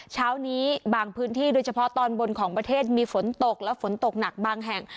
เช้านี้บางพื้นที่โดยเฉพาะตอนบนของประเทศมีฝนตกและฝนตกหนักบางแห่ง